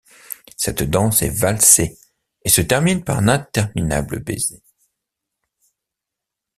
Cette danse est valsée et se termine par un interminable baiser.